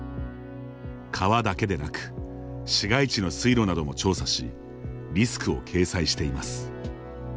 川だけでなく市街地の水路なども調査しリスクを掲載しています。